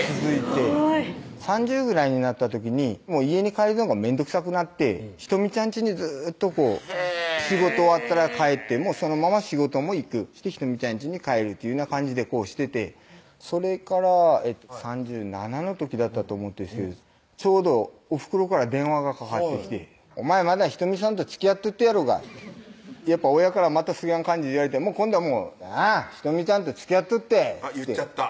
すごい３０ぐらいになった時に家に帰るのが面倒くさくなって仁美ちゃんちにずーっとこう仕事終わったら帰ってそのまま仕事も行く仁美ちゃんちに帰るというような感じでしててそれから３７の時だったと思っとですけどちょうどおふくろから電話がかかってきて「お前まだ仁美さんとつきあっとっとやろが」ってやっぱ親からまたそぎゃん感じで言われて今度はもう「あぁ仁美ちゃんとつきあっとったい」あっ言っちゃった